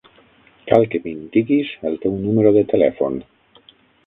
Cal que m'indiquis el teu número de telèfon.